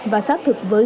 và xác thực với